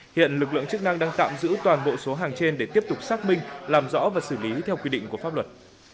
hiện lực lượng chức năng đang tạm giữ toàn bộ số hàng trên để tiếp tục xác minh làm rõ và xử lý theo quy định của pháp luật